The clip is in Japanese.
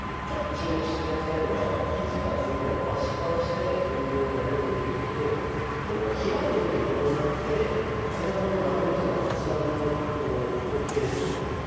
ちょっと注目して頂きたいのはひじがずっと伸ばしっぱなしで運動をやるということとこの開くのに伴って背中の丸みとか骨盤のこの後傾ですね